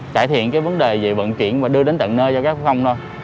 trải thiện vấn đề về vận chuyển và đưa đến tận nơi cho f thôi